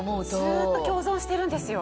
ずっと共存してるんですよ。